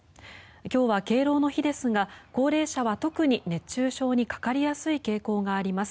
今日は敬老の日ですが高齢者は特に熱中症にかかりやすい傾向があります。